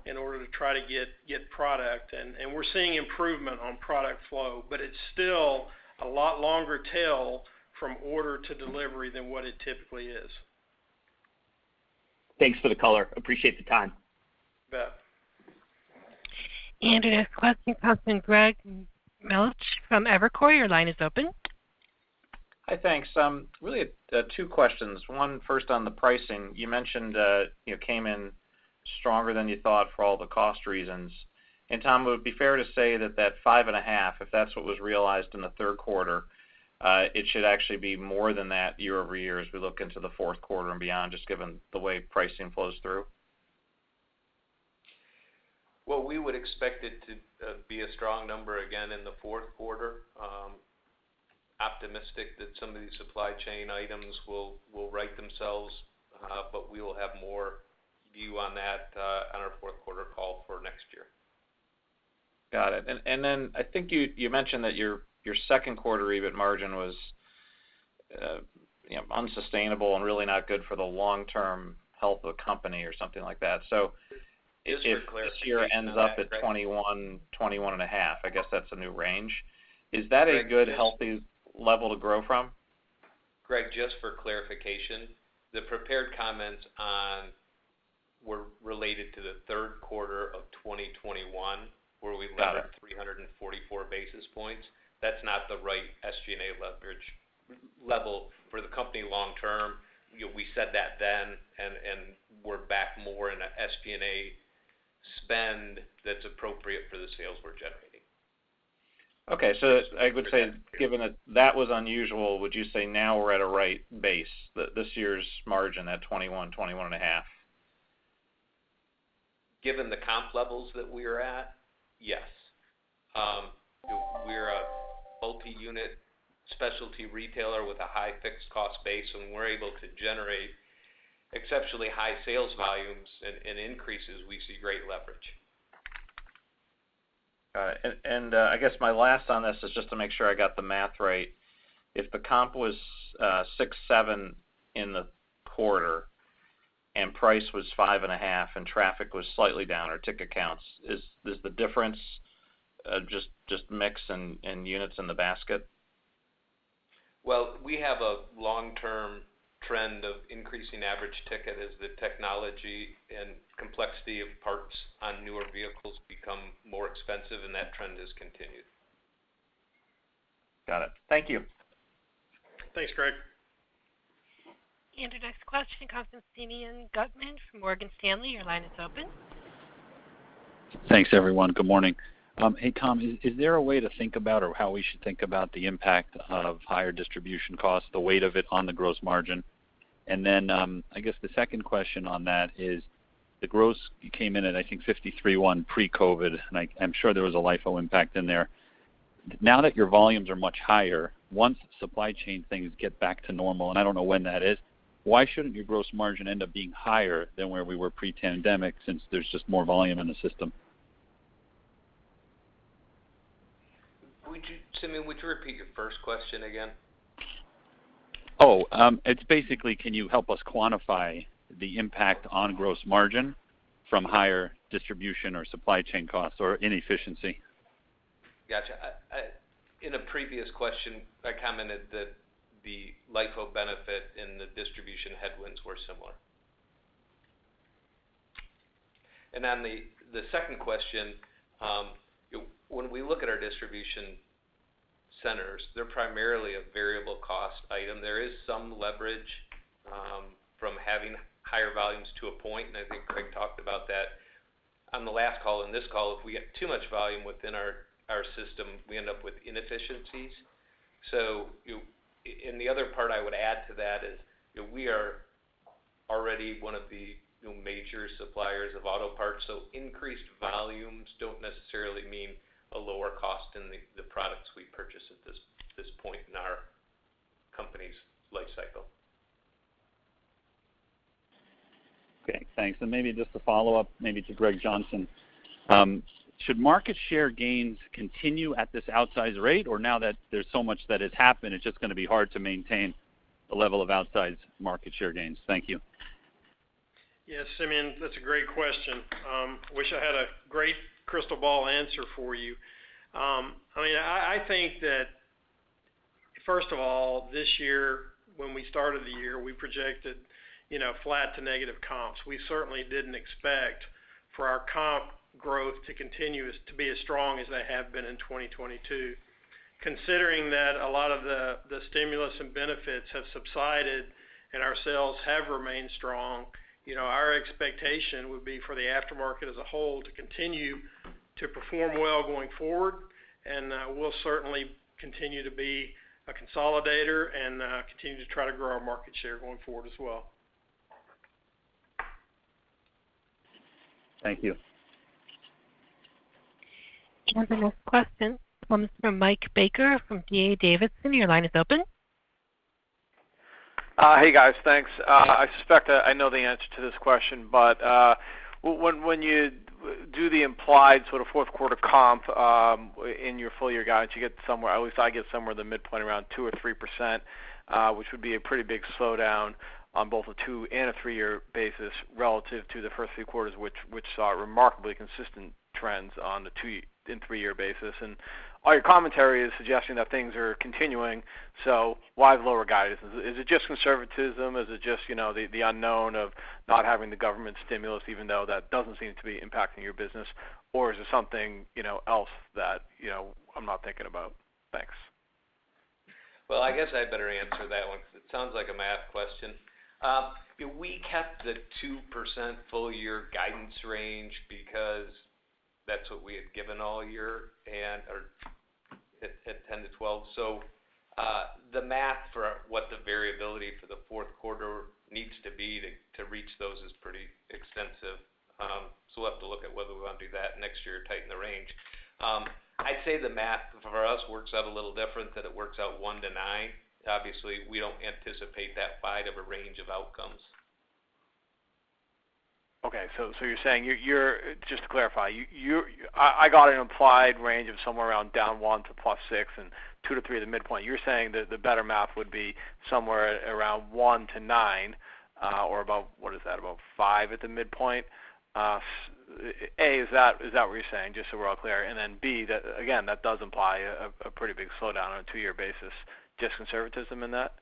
in order to try to get product. We're seeing improvement on product flow, but it's still a lot longer tail from order to delivery than what it typically is. Thanks for the color. Appreciate the time. You bet. Our next question comes from Greg Melich from Evercore. Your line is open. Hi. Thanks. Really, two questions. One first on the pricing. You mentioned you came in stronger than you thought for all the cost reasons. Tom, would it be fair to say that 5.5%, if that's what was realized in the third quarter, it should actually be more than that year-over-year as we look into the fourth quarter and beyond, just given the way pricing flows through? Well, we would expect it to be a strong number again in the fourth Q4. We're optimistic that some of these supply chain items will right themselves, but we will have more view on that, on our fourth quarter call for next year. Got it. Then I think you mentioned that your second quarter EBIT margin was, you know, unsustainable and really not good for the long-term health of the company or something like that. So Just for clarification on that, Greg. If this year ends up at 21%-21.5%, I guess that's a new range. Is that a good, healthy level to grow from? Greg, just for clarification, the prepared comments were related to the Q3 2021 where we landed- Got it. 344 basis points. That's not the right SG&A leverage level for the company long term. We said that then, and we're back more in a SG&A spend that's appropriate for the sales we're generating. I would say, given that that was unusual, would you say now we're at a right base, this year's margin at 21%-21.5%? Given the comp levels that we are at, yes. We're a multi-unit specialty retailer with a high fixed cost base, and we're able to generate exceptionally high sales volumes and increases. We see great leverage. All right. I guess my last on this is just to make sure I got the math right. If the comp was 6%-7% in the quarter and price was 5.5% and traffic was slightly down or ticket counts, is the difference just mix and units in the basket? Well, we have a long-term trend of increasing average ticket as the technology and complexity of parts on newer vehicles become more expensive, and that trend has continued. Got it. Thank you. Thanks, Greg. Our next question comes from Simeon Gutman from Morgan Stanley. Your line is open. Thanks, everyone. Good morning. Hey, Tom, is there a way to think about or how we should think about the impact of higher distribution costs, the weight of it on the gross margin? I guess the second question on that is, the gross came in at, I think, 53.1% pre-COVID, and I'm sure there was a LIFO impact in there. Now that your volumes are much higher, once supply chain things get back to normal, and I don't know when that is, why shouldn't your gross margin end up being higher than where we were pre-pandemic since there's just more volume in the system? Simeon, would you repeat your first question again? It's basically can you help us quantify the impact on gross margin from higher distribution or supply chain costs or inefficiency? Got you. I in a previous question, I commented that the LIFO benefit and the distribution headwinds were similar. The second question, when we look at our distribution centers, they're primarily a variable cost item. There is some leverage from having higher volumes to a point, and I think Greg talked about that on the last call and this call. If we get too much volume within our system, we end up with inefficiencies. The other part I would add to that is, you know, we are already one of the major suppliers of auto parts, so increased volumes don't necessarily mean a lower cost in the products we purchase at this point in our company's life cycle. Okay, thanks. Maybe just a follow-up, maybe to Greg Henslee. Should market share gains continue at this outsized rate, or now that there's so much that has happened, it's just gonna be hard to maintain the level of outsized market share gains? Thank you. Yes, Simeon, that's a great question. I wish I had a great crystal ball answer for you. I mean, I think that first of all, this year when we started the year, we projected, you know, flat to negative comps. We certainly didn't expect for our comp growth to continue to be as strong as they have been in 2022. Considering that a lot of the stimulus and benefits have subsided and our sales have remained strong, you know, our expectation would be for the aftermarket as a whole to continue to perform well going forward, and we'll certainly continue to be a consolidator and continue to try to grow our market share going forward as well. Thank you. The next question comes from Mike Baker from D.A. Davidson. Your line is open. Hey, guys. Thanks. I suspect I know the answer to this question, but when you do the implied sort of fourth quarter comp in your full year guidance, you get somewhere, at least I get somewhere in the midpoint around 2%-3%, which would be a pretty big slowdown on both a two- and three-year basis relative to the first three quarters, which saw remarkably consistent trends on the two- and three-year basis. All your commentary is suggesting that things are continuing. Why the lower guidance? Is it just conservatism? Is it just, you know, the unknown of not having the government stimulus, even though that doesn't seem to be impacting your business? Or is it something, you know, else that, you know, I'm not thinking about? Thanks. Well, I guess I better answer that one because it sounds like a math question. We kept the 2% full year guidance range because that's what we had given all year and or at 10%-12%. The math for what the variability for the fourth quarter needs to be to reach those is pretty extensive. We'll have to look at whether we want to do that next year or tighten the range. I'd say the math for us works out a little different, that it works out 1-9. Obviously, we don't anticipate that wide of a range of outcomes. Okay, so you're saying, just to clarify, I got an implied range of somewhere around -1% to +6% and 2%-3% at the midpoint. You're saying that the better math would be somewhere around 1% to 9%, or about, what is that? About 5% at the midpoint. A, is that what you're saying? Just so we're all clear. Then B, that again, that does imply a pretty big slowdown on a two-year basis. Just conservatism in that?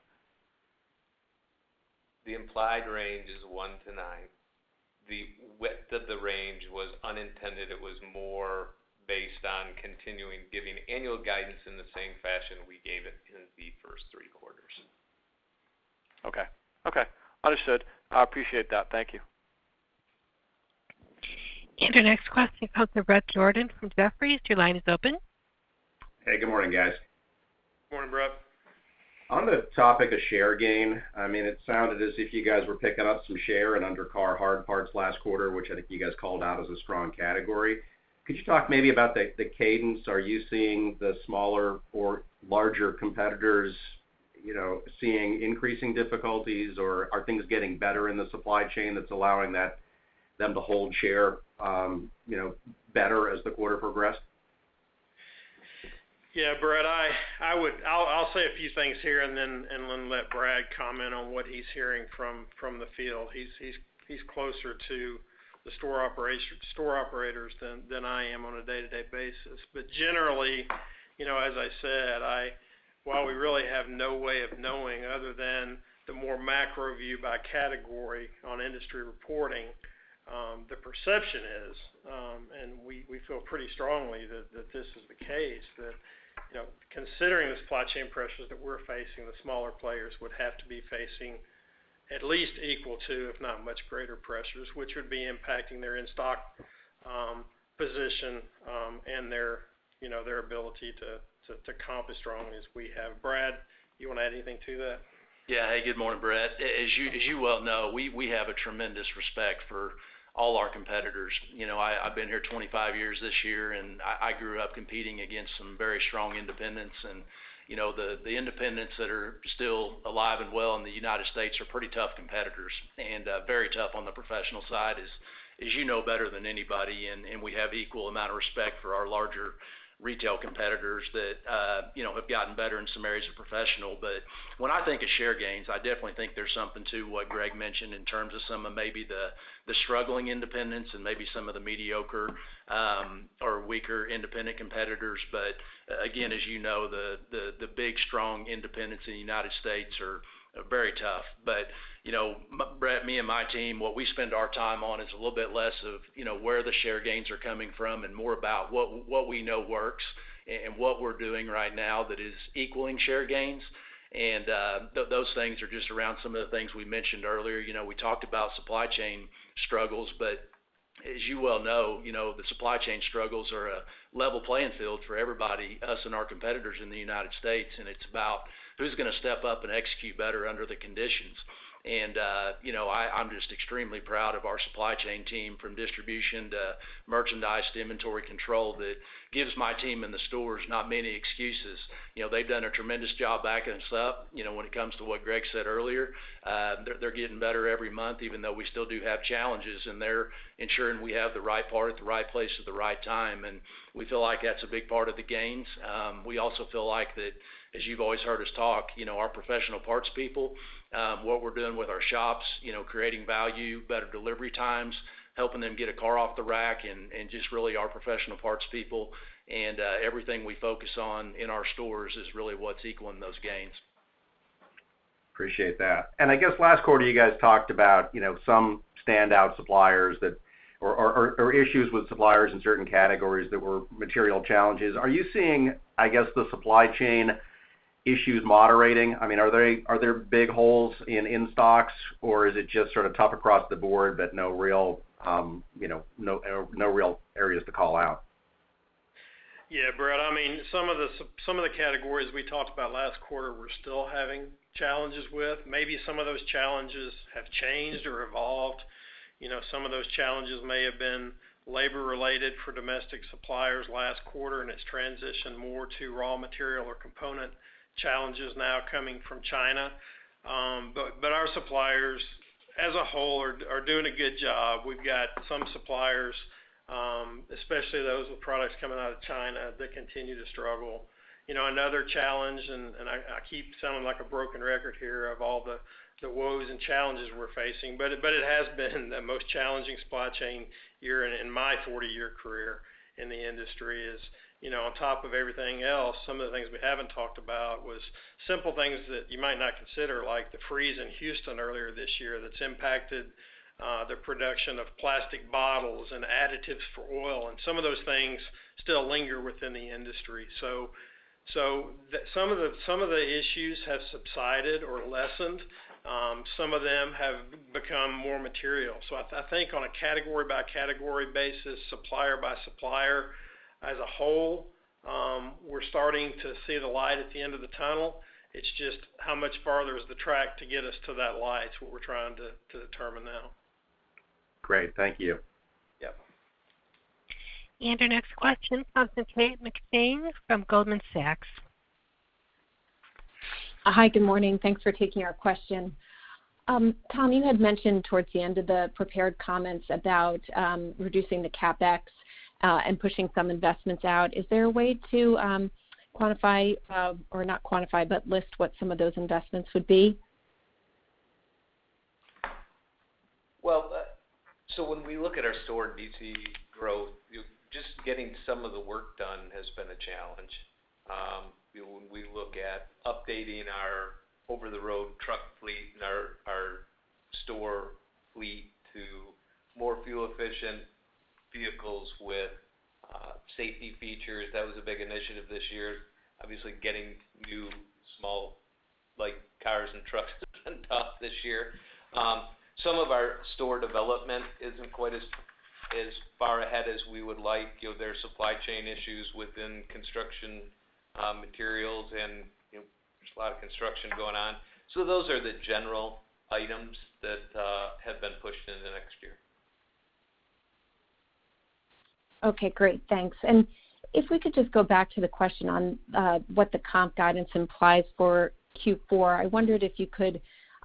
The implied range is one to nine. The width of the range was unintended. It was more based on continuing giving annual guidance in the same fashion we gave it in the first three quarters. Okay. Understood. I appreciate that. Thank you. Our next question comes from Bret Jordan from Jefferies. Your line is open. Hey, good morning, guys. Morning, Bret. On the topic of share gain, I mean, it sounded as if you guys were picking up some share in undercar hard parts last quarter, which I think you guys called out as a strong category. Could you talk maybe about the cadence? Are you seeing the smaller or larger competitors, you know, seeing increasing difficulties, or are things getting better in the supply chain that's allowing them to hold share, better as the quarter progressed? Yeah, Bret, I would. I'll say a few things here and then let Brad comment on what he's hearing from the field. He's closer to the store operators than I am on a day-to-day basis. Generally, you know, as I said, while we really have no way of knowing other than the more macro view by category on industry reporting, the perception is and we feel pretty strongly that this is the case, that considering the supply chain pressures that we're facing, the smaller players would have to be facing at least equal to, if not much greater pressures, which would be impacting their in-stock position and their, you know, their ability to comp as strongly as we have. Brad, you wanna add anything to that? Yeah. Hey, good morning, Bret. As you well know, we have a tremendous respect for all our competitors. You know, I've been here 25 years this year, and I grew up competing against some very strong independents. You know, the independents that are still alive and well in the United States are pretty tough competitors and very tough on the professional side, as you know better than anybody. We have equal amount of respect for our larger retail competitors that you know have gotten better in some areas of professional. When I think of share gains, I definitely think there's something to what Greg mentioned in terms of some of maybe the struggling independents and maybe some of the mediocre or weaker independent competitors. Again, as the big, strong independents in the United States are very tough. Bret, me and my team, what we spend our time on is a little bit less of, you know, where the share gains are coming from and more about what we know works and what we're doing right now that is equaling share gains. Those things are just around some of the things we mentioned earlier. We talked about supply chain struggles, but as you well know, the supply chain struggles are a level playing field for everybody, us and our competitors in the United States, and it's about who's gonna step up and execute better under the conditions. I'm just extremely proud of our supply chain team, from distribution to merchandise to inventory control, that gives my team in the stores not many excuses. You know, they've done a tremendous job backing us up. When it comes to what Greg said earlier, they're getting better every month, even though we still do have challenges, and they're ensuring we have the right part at the right place at the right time. We feel like that's a big part of the gains. We also feel like that, as you've always heard us talk, you know, our professional parts people, what we're doing with our shops, creating value, better delivery times, helping them get a car off the rack, and just really our professional parts people and everything we focus on in our stores is really what's equaling those gains. Appreciate that. I guess last quarter, you guys talked about some standout suppliers or issues with suppliers in certain categories that were material challenges. Are you seeing, I guess, the supply chain issues moderating? I mean, are there big holes in in-stocks, or is it just sort of tough across the board, but no real areas to call out? Yeah, Bret, I mean, some of the categories we talked about last quarter, we're still having challenges with. Maybe some of those challenges have changed or evolved. Some of those challenges may have been labor-related for domestic suppliers last quarter, and it's transitioned more to raw material or component challenges now coming from China. But our suppliers as a whole are doing a good job. We've got some suppliers, especially those with products coming out of China that continue to struggle. Another challenge, and I keep sounding like a broken record here of all the woes and challenges we're facing, but it has been the most challenging supply chain year in my 40-year career in the industry, you know, on top of everything else. Some of the things we haven't talked about was simple things that you might not consider like the freeze in Houston earlier this year that's impacted the production of plastic bottles and additives for oil, and some of those things still linger within the industry. Some of the issues have subsided or lessened. Some of them have become more material. I think on a category by category basis, supplier by supplier as a whole, we're starting to see the light at the end of the tunnel. It's just how much farther is the track to get us to that light is what we're trying to determine now. Great. Thank you. Yep. Our next question comes from Kate McShane from Goldman Sachs. Hi, good morning. Thanks for taking our question. Tom, you had mentioned towards the end of the prepared comments about reducing the CapEx and pushing some investments out. Is there a way to quantify or not quantify, but list what some of those investments would be? When we look at our store DC growth, just getting some of the work done has been a challenge. When we look at updating our over-the-road truck fleet and our store fleet to more fuel-efficient vehicles with safety features, that was a big initiative this year. Obviously, getting new small, like, cars and trucks doesn't end up this year. Some of our store development isn't quite as far ahead as we would like. You know, there are supply chain issues within construction materials, and there's a lot of construction going on. Those are the general items that have been pushed into next year. Okay. Great. Thanks. If we could just go back to the question on what the comp guidance implies for Q4. I wondered if you could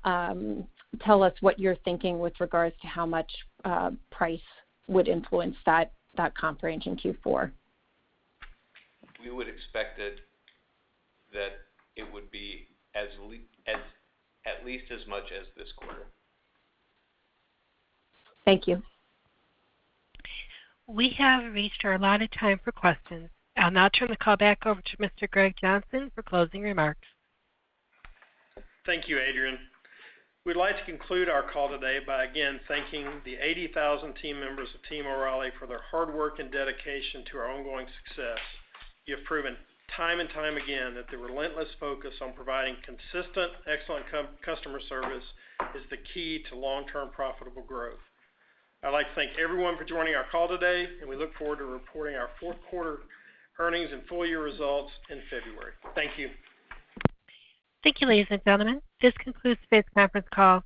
tell us what you're thinking with regards to how much price would influence that comp range in Q4. We would expect that it would be at least as much as this quarter. Thank you. We have reached our allotted time for questions. I'll now turn the call back over to Mr. Greg Henslee for closing remarks. Thank you, Adrian. We'd like to conclude our call today by again thanking the 80,000 team members of Team O'Reilly for their hard work and dedication to our ongoing success. You have proven time and time again that the relentless focus on providing consistent excellent customer service is the key to long-term profitable growth. I'd like to thank everyone for joining our call today, and we look forward to reporting our Q4 earnings and full-year results in February. Thank you. Thank you, ladies and gentlemen. This concludes today's conference call.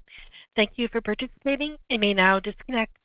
Thank you for participating. You may now disconnect.